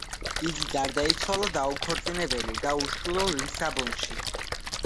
იგი გარდაიცვალა დაუქორწინებელი და უშვილო, ლისაბონში.